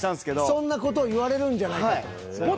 そんな事言われるんじゃないかと。